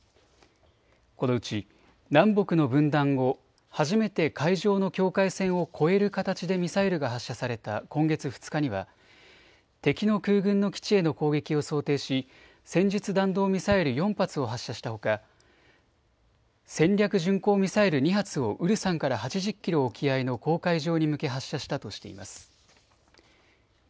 このうち南北の分断後、初めて海上の境界線を越える形でミサイルが発射された今月２日には敵の空軍の基地への攻撃を想定し戦術弾道ミサイル４発を発射したほか戦略巡航ミサイル２発をウルサンから８０キロ沖合の公海上に向け発射したとしています。